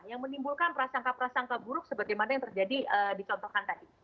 yang menimbulkan prasangka prasangka buruk seperti yang terjadi di contohkan tadi